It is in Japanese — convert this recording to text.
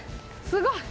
すごい！